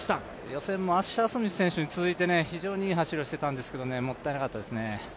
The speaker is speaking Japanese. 予選もアッシャー・スミス選手に続いて非常にいい走りをしていたんですけど、もったいなかったですね。